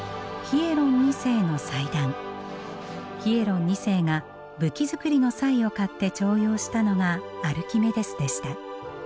ヒエロン二世が武器作りの才を買って重用したのがアルキメデスでした。